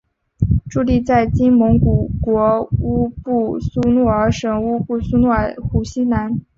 驻地在今蒙古国乌布苏诺尔省乌布苏诺尔湖西南。